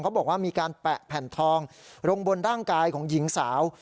บอกว่ามีการแปะแผ่นทองลงบนร่างกายของหญิงสาว